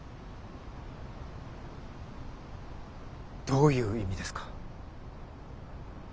どういう意味ですか。